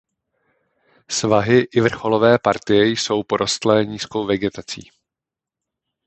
Svahy i vrcholové partie jsou porostlé nízkou vegetací.